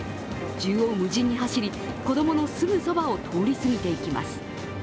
縦横無尽に走り、子供のすぐそばを通りすぎていきます。